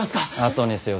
後にせよ。